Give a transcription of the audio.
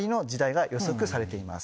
予測されています。